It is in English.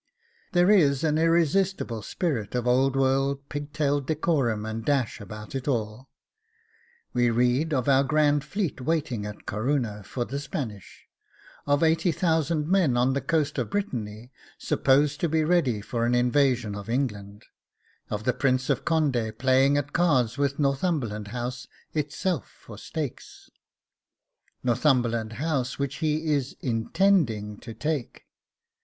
There is an irresistible spirit of old world pigtail decorum and dash about it all. We read of our 'grand fleet' waiting at Corunna for the Spanish; of 80,000 men on the coast of Brittany supposed to be ready for an invasion of England; of the Prince of Conde playing at cards, with Northumberland House itself for stakes (Northumberland House which he is INTENDING to take).